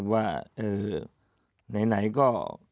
ว่าไหนก็